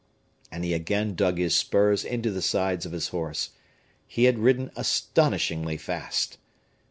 And he again dug his spurs into the sides of his horse: he had ridden astonishingly fast.